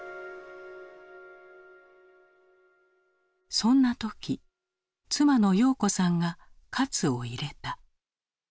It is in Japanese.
そんな時妻の洋子さんが活を入れた。